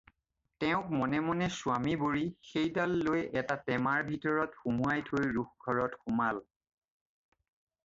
তেওঁক মনে মনে স্বামী বৰি, সেইডাল লৈ এটা টেমাৰ ভিতৰত সুমুৱাই থৈ ৰোষঘৰত সোমাল।